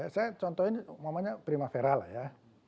saya contohin umumnya primavera lah ya